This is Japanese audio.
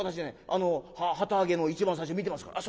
あの旗揚げの一番最初見てますから」。